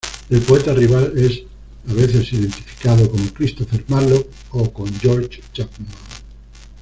El poeta rival es, a veces, identificado con Christopher Marlowe o con George Chapman.